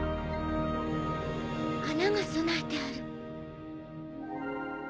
花が供えてある。